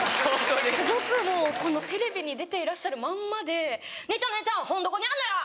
すごくもうこのテレビに出ていらっしゃるまんまで「姉ちゃん本どこにあんのや？